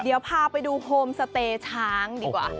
เดี๋ยวพาไปดูโฮมสเตย์ช้างดีกว่า